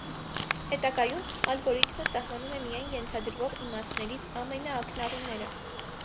Հետագայում ալգորիթմը սահմանում է միայն ենթադրվող իմաստներից ամենաակնառուները։